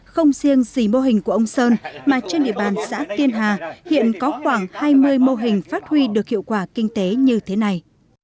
không riêng gì mô hình của ông sơn mà trên địa bàn xã tiên hà hiện có khoảng hai mươi mô hình phát huy được hiệu quả kinh tế như thế này